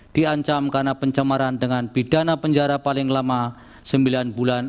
diancam karena pencemaran dengan pidana penjara paling lama sembilan bulan